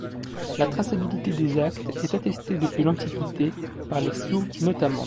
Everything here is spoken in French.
La traçabilité des actes est attestée depuis l’antiquité, par les sceaux notamment.